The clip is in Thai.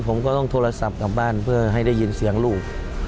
ผมก็ต้องโทรศัพท์กลับบ้านเพื่อให้ได้ยินเสียงลูก